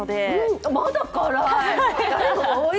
まだ辛い。